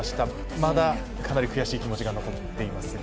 まだかなり悔しい気持ち残っていますが。